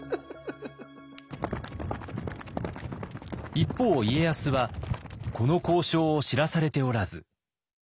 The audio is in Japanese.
一方家康はこの交渉を知らされておらず。